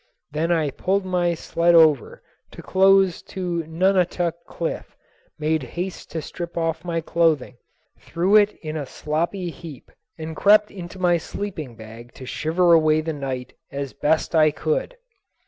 Then I pulled my sled over close to Nunatak cliff, made haste to strip off my clothing, threw it in a sloppy heap and crept into my sleeping bag to shiver away the night as best I could.